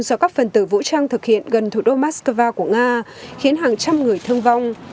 do các phần tử vũ trang thực hiện gần thủ đô moscow của nga khiến hàng trăm người thương vong